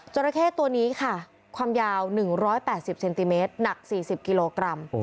จอราเคตัวนี้ค่ะความยาวหนึ่งร้อยแปดสิบเซนติเมตรหนักสี่สิบกิโลกรัม